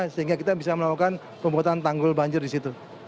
sehingga kita bisa melakukan pembuatan tanggul banjir di situ